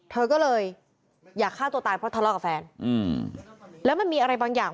เธอก็เลยอยากฆ่าตัวตายเพราะทะเลาะกับแฟนอืมแล้วมันมีอะไรบางอย่าง